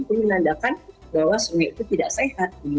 itu menandakan bahwa sungai itu tidak sehat